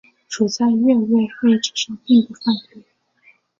处在越位位置上并不犯规。